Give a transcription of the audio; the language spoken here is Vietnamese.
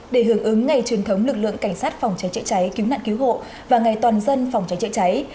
để hưởng ứng ngày truyền thống lực lượng cảnh sát phòng cháy chữa cháy cứu nạn cứu hộ và ngày toàn dân phòng cháy chữa cháy